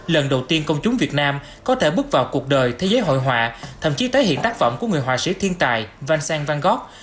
lần đầu tiên công chúng việt nam có thể bước vào cuộc đời thế giới hội họa thậm chí thể hiện tác phẩm của người họa sĩ thiên tài vincent van gogh